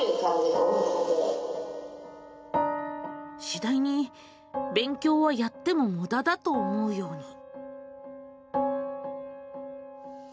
しだいに「勉強はやってもムダだ」と思うように。